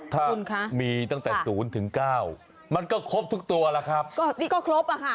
ทุกตัวเหรอครับก็ครบอะค่ะ